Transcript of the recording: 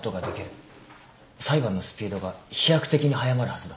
裁判のスピードが飛躍的に速まるはずだ。